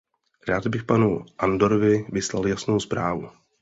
Rád bych panu Andorovi vyslal jasnou zprávu.